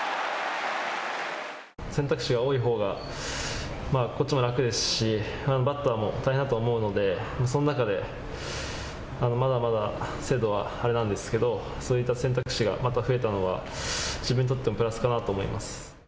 選択肢は多い方がこっちも楽ですしバッターも大変だと思うのでその中でまだまだ精度はあれなんですけどそういった選択肢がまたふえたのは自分にとってもプラスかなと思います。